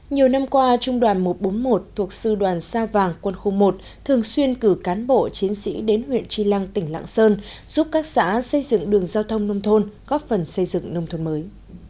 nhiều năm qua trung đoàn một trăm bốn mươi một thuộc sư đoàn sao vàng quân khu một thường xuyên cử cán bộ chiến sĩ đến huyện tri lăng tỉnh lạng sơn giúp các xã xây dựng đường giao thông nông thôn góp phần xây dựng nông thôn mới